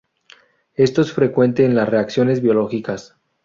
Esto es frecuente en las reacciones biológicas.